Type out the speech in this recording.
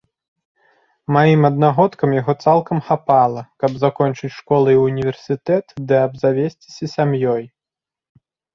Маім аднагодкам яго цалкам хапала, каб закончыць школу і ўніверсітэт ды абзавесціся сям'ёй.